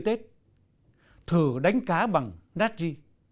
thử đánh cá bằng natchi